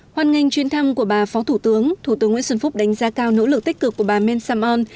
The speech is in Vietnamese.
hoan nghênh chuyến thăm của bà phó thủ tướng thủ tướng nguyễn xuân phúc đánh giá cao nỗ lực tích cực của bà men sam on